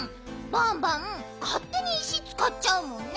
バンバンかってに石つかっちゃうもんね。